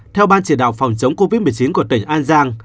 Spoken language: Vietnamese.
theo ban chỉ đạo phòng chống covid một mươi chín của tỉnh an giang